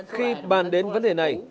khi bàn đến vấn đề này